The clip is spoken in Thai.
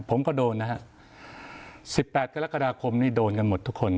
ผมก็โดนนะฮะ๑๘กรกฎาคมนี่โดนกันหมดทุกคน